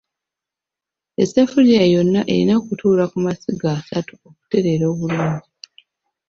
Essefuliya yonna erina okutuula ku masiga asatu okutereera obulungi.